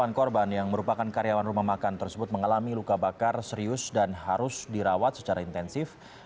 delapan korban yang merupakan karyawan rumah makan tersebut mengalami luka bakar serius dan harus dirawat secara intensif